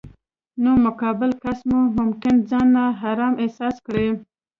نو مقابل کس مو ممکن ځان نا ارامه احساس کړي.